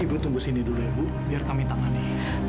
ibu tunggu sini dulu ya ibu biar kami tamani